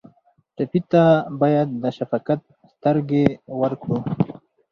ټپي ته باید د شفقت سترګې ورکړو.